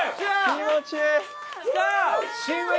気持ちいい！